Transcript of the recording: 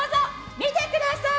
見てください！